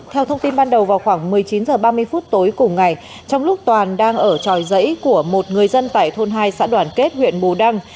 theo thông tin ban đầu vào khoảng một mươi chín h ba mươi phút tối cùng ngày trong lúc toàn đang ở tròi dãy của một người dân tại thôn hai xã đoàn kết huyện bù đăng